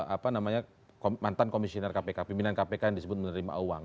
apa namanya mantan komisioner kpk pimpinan kpk yang disebut menerima uang